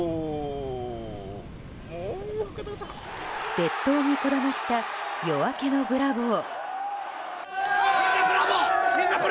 列島にこだました夜明けのブラボー。